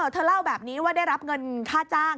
เธอเล่าแบบนี้ว่าได้รับเงินค่าจ้าง